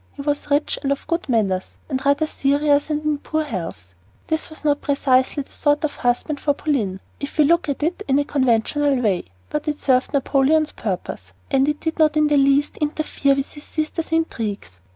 He was rich and of good manners, but rather serious and in poor health. This was not precisely the sort of husband for Pauline, if we look at it in the conventional way; but it served Napoleon's purpose and did not in the least interfere with his sister's intrigues.